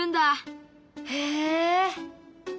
へえ。